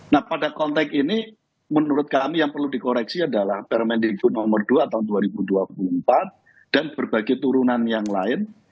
nah pada konteks ini menurut kami yang perlu dikoreksi adalah permendikbud nomor dua tahun dua ribu dua puluh empat dan berbagai turunan yang lain